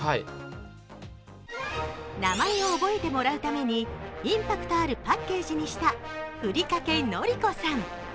名前を覚えてもらうためにインパクトあるパッケージにしたふりかけのり子さん。